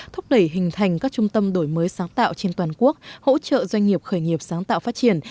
thúc đẩy hình thành các trung tâm đổi mới sáng tạo trên toàn quốc hỗ trợ doanh nghiệp khởi nghiệp sáng tạo phát triển